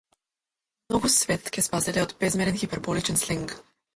Многу свет ќе спаселе од безмерен хиперболичен сленг.